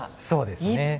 そうですね。